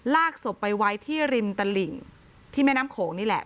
ลากศพไปไว้ที่ริมตลิ่งที่แม่น้ำโขงนี่แหละ